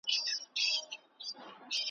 ارمانونه یې ګورته وړي دي .